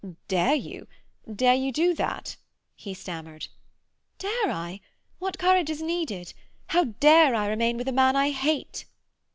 "Dare you—dare you do that?" he stammered. "Dare I? What courage is needed? How dare I remain with a man I hate?"